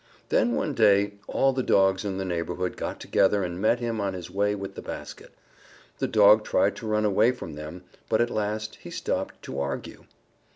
Then one day all the Dogs in the neighborhood got together and met him on his way with the basket. The Dog tried to run away from them. But at last he stopped to argue.